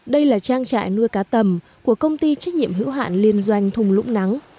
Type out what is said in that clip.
đây là trang trại nuôi cá tầm của công ty trách nhiệm hữu hạn liên doanh thùng lũng nắng